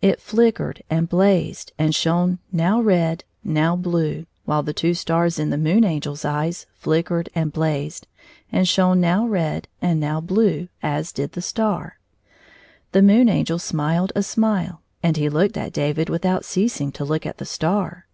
It flick ered and blazed and shone now red, now blue, while the two stars in the Moon Angers eyes flickered and blazed and shone now red and now blue as did the star. The Moon Angel smiled a smile, and he looked at David without ceasing to look at the star.